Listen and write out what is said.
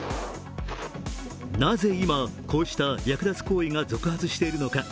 なぜ今、こうした略奪行為が続発しているのか。